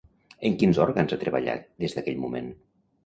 En quins òrgans ha treballat, des d'aquell moment?